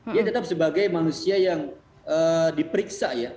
dia tetap sebagai manusia yang diperiksa ya